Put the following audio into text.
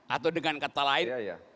atau dengan kata lain